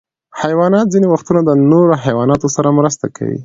حیوانات ځینې وختونه د نورو حیواناتو سره مرسته کوي.